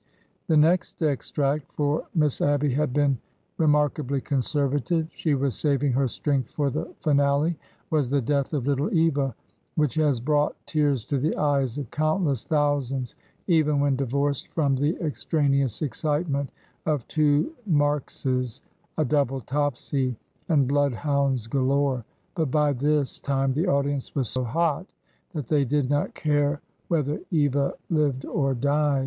The next extract (for Miss Abby had been remark ably conservative— she was saving her strength for the finale) was the death of little Eva, which has brought tears to the eyes of countless thousands, even when di vorced from the extraneous excitement of two Markses, a double Topsy, and bloodhounds galore;— but by this time the audience was so hot that they did not care whe ther Eva lived or died.